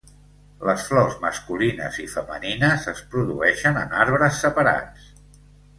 Les flors masculines i femenines es produeixen en arbres separats.